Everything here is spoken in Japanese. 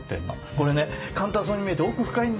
これね簡単そうに見えて奥深いんだよ。